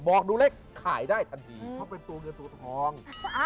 บอกดูเลขขายได้ทันทีเพราะเป็นตัวเงินตัวทอง